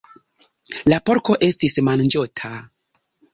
La porko estis manĝota.